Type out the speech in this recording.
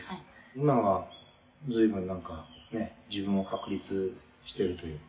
「今は随分なんかね自分を確立してるというか」